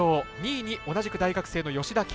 ２位に同じく大学生の吉田啓祐。